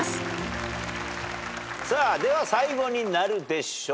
では最後になるでしょう。